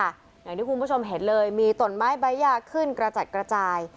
อย่างที่คุณผู้ชมเห็นเลยมีตนไม้ใบยาขึ้นกระจัดกระจาย